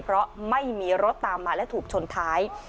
เพราะไม่มีรถตามมาและถูกชนท้าย